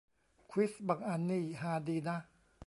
ควิซบางอันนี่ฮาดีนะ